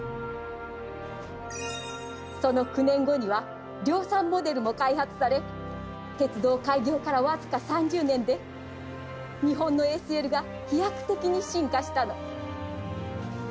その９年後には量産モデルも開発され鉄道開業から僅か３０年で日本のＳＬが飛躍的に進化したの。